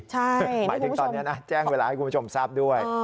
หมายถึงตอนนี้นะแจ้งเวลาให้คุณผู้ชมทราบด้วย